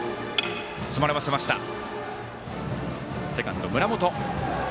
セカンド、村本。